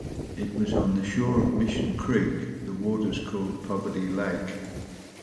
It was on the shore of Mission Creek, the waters called poverty lake.